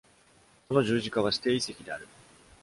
その十字架は指定遺跡である。